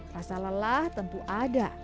rasa lelah tentu ada